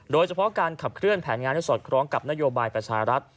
โดยเฉพาะการขับเคลื่อนแผนงานให้สอดคล้องกับนโยบายประชารัฐ